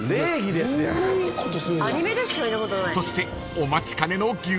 ［そしてお待ちかねの牛皿が］